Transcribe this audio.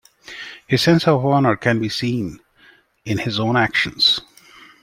His sense of honor can be seen in his own actions.